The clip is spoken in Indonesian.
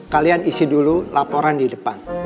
kalian isi dulu laporan di depan